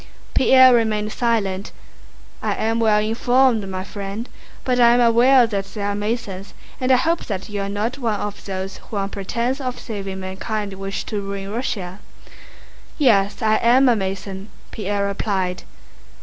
Pierre remained silent. "I am well informed, my friend, but I am aware that there are Masons and I hope that you are not one of those who on pretense of saving mankind wish to ruin Russia." "Yes, I am a Mason," Pierre replied.